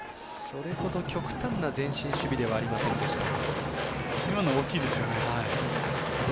それほど極端な前進守備ではありませんでした。